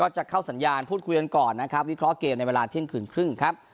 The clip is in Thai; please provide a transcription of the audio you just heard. จะเข้าสัญญาณพูดคุยกันก่อนนะครับวิเคราะห์เกมในเวลาเที่ยงคืนครึ่งครับ